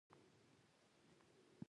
بصیر راسره بیکونه تر موټره یوړل.